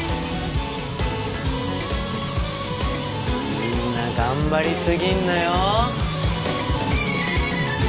みんな頑張り過ぎんなよ！